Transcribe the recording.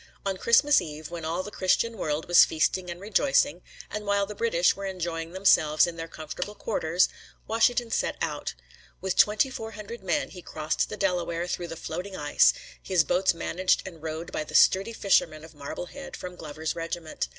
On Christmas Eve, when all the Christian world was feasting and rejoicing, and while the British were enjoying themselves in their comfortable quarters, Washington set out. With twenty four hundred men he crossed the Delaware through the floating ice, his boats managed and rowed by the sturdy fishermen of Marblehead from Glover's regiment.